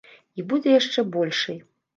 І будзе яшчэ большай.